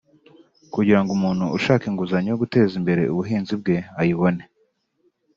kugira ngo umuntu ushaka inguzanyo yo guteza imbere ubuhinzi bwe ayibone